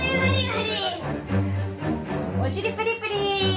・おしりプリプリ！